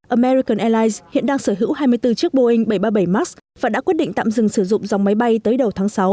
american airlines hiện đang sở hữu hai mươi bốn chiếc boeing bảy trăm ba mươi bảy max và đã quyết định tạm dừng sử dụng dòng máy bay tới đầu tháng sáu